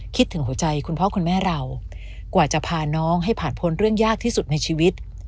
ถึงหัวใจคุณพ่อคุณแม่เรากว่าจะพาน้องให้ผ่านพ้นเรื่องยากที่สุดในชีวิต